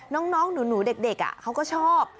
น้องหนูเด็กเขาก็ชอบ